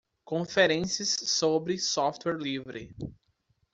Conferências sobre software livre.